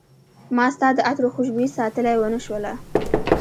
ما ستا د عطرو خوشبوي ساتلی ونه شوله